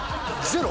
ゼロ？